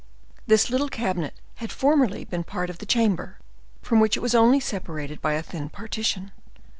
This little cabinet had formerly been part of the chamber, from which it was only separated by a thin partition.